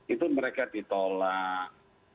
itu mereka ditolak